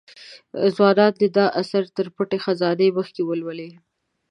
ځوانان دي دا اثر تر پټې خزانې مخکې ولولي.